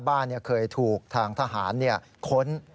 บ้านเคยถูกทางทหารค้น